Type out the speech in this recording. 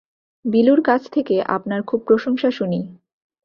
বিলুর কাছ থেকে আপনার খুব প্রশংসা শুনি।